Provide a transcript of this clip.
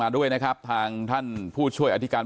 ทางรองศาสตร์อาจารย์ดรอคเตอร์อัตภสิตทานแก้วผู้ชายคนนี้นะครับ